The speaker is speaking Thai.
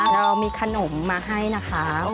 เรามีขนมมาให้นะคะ